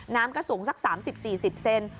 น้ำก็สูงสัก๓๐๔๐เซน